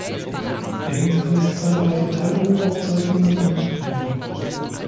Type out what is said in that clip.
Er hinterließ zahlreiche Tagebuchaufzeichnungen und Briefe.